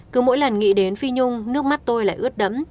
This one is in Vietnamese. cứ mỗi lần nghĩ đến phi nhung nước mắt tôi lại ướt đấm